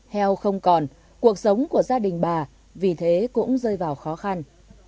heo không còn cuộc sống của gia đình bà vì thế cũng rơi vào khó khăn